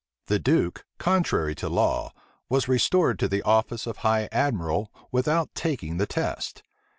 The duke, contrary to law, was restored to the office of high admiral without taking the test.